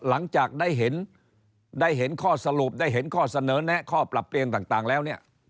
หลังจากได้เห็นข้อสรุปได้เห็นข้อเสนอข้อปรับเปลี่ยนต่างแล้ว